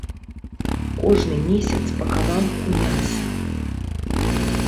Кожны месяц па кавалку мяса.